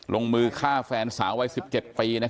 ลงมือช่วยฟีล์ฟานสาววัยงไหว๑๗ปี